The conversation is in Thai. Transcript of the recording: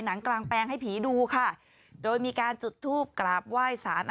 หนังกลางแปลงให้ผีดูค่ะโดยมีการจุดทูปกราบไหว้สาร